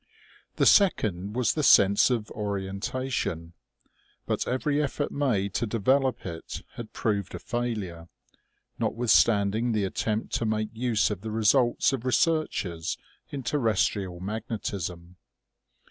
The second was the sense of orientation ; but every effort made to develop it had proved a failure, notwithstanding the attempt to make use of the results of researches in terres trial magnetism.